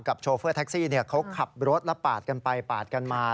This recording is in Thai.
โชเฟอร์แท็กซี่เขาขับรถแล้วปาดกันไปปาดกันมา